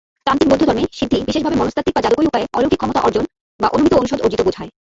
তান্ত্রিক বৌদ্ধধর্মে, সিদ্ধি বিশেষভাবে মনস্তাত্ত্বিক বা জাদুকরী উপায়ে অলৌকিক ক্ষমতা অর্জন বা অনুমিত অনুষদ অর্জিত বোঝায়।